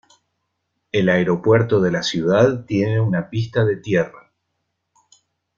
El aeropuerto de la ciudad tiene una pista de tierra.